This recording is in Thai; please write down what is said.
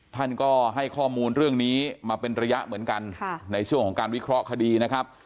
ท่านก็ให้ข้อมูลเรื่องนี้มาเป็นระยะเหมือนกันในช่วงของการวิเคราะห์คดีนะครับ